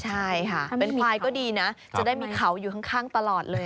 ใช่ค่ะเป็นควายก็ดีนะจะได้มีเขาอยู่ข้างตลอดเลย